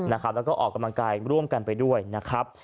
แล้วก็ออกกำลังกายร่วมกันไปด้วยนะครับ